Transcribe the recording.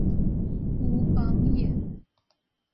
武榜眼。